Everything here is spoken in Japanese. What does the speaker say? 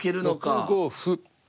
６五歩。